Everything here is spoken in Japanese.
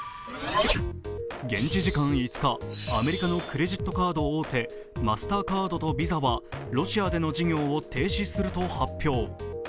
現地時間５日、アメリカのクレジットカード大手マスターカードとＶＩＳＡはロシアでの事業を停止すると発表。